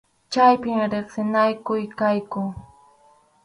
Chaypim riqsinakuq kayku.